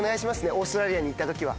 オーストラリアに行った時は。